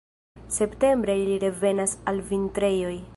Septembre ili revenas al vintrejoj.